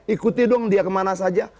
ikuti dia kemana saja